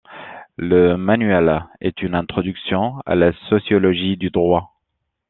Le manuel est une introduction à la sociologie du droit.